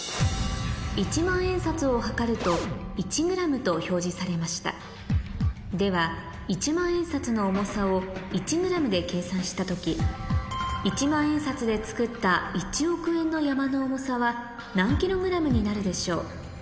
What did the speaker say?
１万円札を量ると１ｇと表示されましたでは１万円札の重さを１ｇで計算した時１万円札でつくった１億円の山の重さは何ｋｇになるでしょう？